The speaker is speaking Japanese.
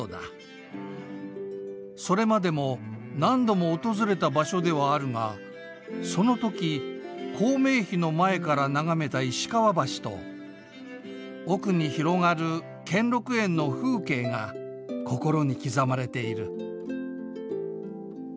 それまでも何度も訪れた場所ではあるがその時校名碑の前から眺めた石川橋と奥に広がる兼六園の風景が心に刻まれている」。